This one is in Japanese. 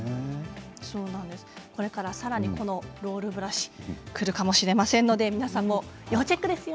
これからさらにロールブラシくるかもしれないので皆さんも要チェックですよ。